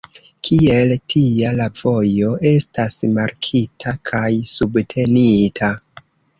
Kiel tia, la vojo estas markita kaj subtenita.